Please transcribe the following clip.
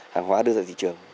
hàng hóa đưa ra thị trường